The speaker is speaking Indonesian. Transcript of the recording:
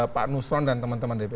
pak nusron dan teman teman dpd